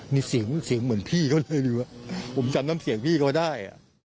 มีเสียงเสียงเหมือนพี่เขาเลยอยู่ผมจำน้ำเสียงพี่เขาได้